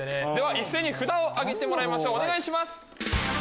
一斉に札を挙げてもらいましょうお願いします。